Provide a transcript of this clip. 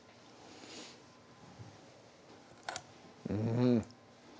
うん